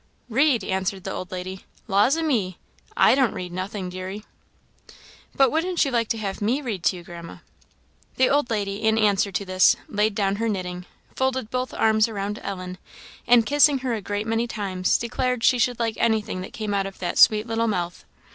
"Read!" answered the old lady "laws a me! I don't read nothing, deary." "But wouldn't you like to have me read to you, Grandma?" The old lady, in answer to this, laid down her knitting, folded both arms around Ellen, and, kissing her a great many times, declared she should like anything that came out of that sweet little mouth.